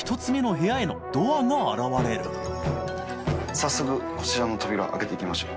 早速こちらの扉開けていきましょう。